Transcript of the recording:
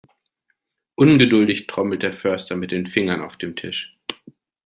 Ungeduldig trommelt der Förster mit den Fingern auf dem Tisch.